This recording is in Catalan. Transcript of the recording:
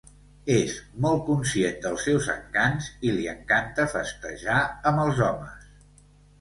És molt conscient dels seus encants i li encanta festejar amb els homes.